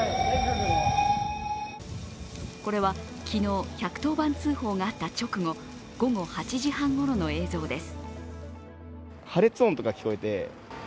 これは昨日１１０番通報があった直後午後８時半ごろの映像です。